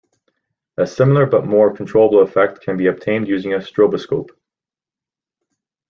A similar but more controllable effect can be obtained using a stroboscope.